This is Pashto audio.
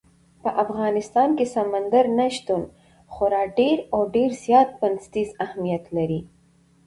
په افغانستان کې سمندر نه شتون خورا ډېر او ډېر زیات بنسټیز اهمیت لري.